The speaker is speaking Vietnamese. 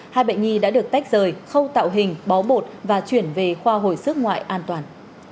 hai bệnh nhi đã được tách rời khâu tạo hình bó bột và chuyển về khoa hồi sức ngoại an toàn